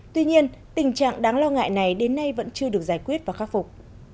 tuy nhiên tình trạng đáng lo ngại này đến nay vẫn chưa được giải quyết và khắc phục